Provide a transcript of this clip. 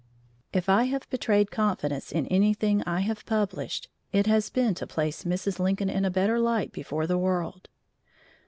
If I have betrayed confidence in anything I have published, it has been to place Mrs. Lincoln in a better light before the world.